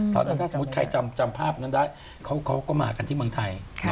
ตอนนั้นถ้าสมมุติใครจำภาพนั้นได้เขาก็มากันที่เมืองไทย